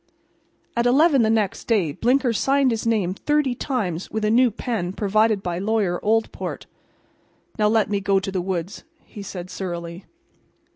At eleven the next day Blinker signed his name thirty times with a new pen provided by Lawyer Oldport. "Now let me go to the woods," he said surlily.